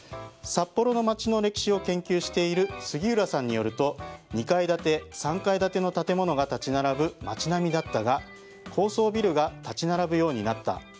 札幌の町の歴史を研究している杉浦さんによると２階建て、３階建ての建物が立ち並ぶ街並みだったが高層ビルが立ち並ぶようになった。